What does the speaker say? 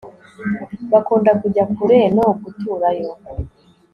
bakunda kujya kure no guturayo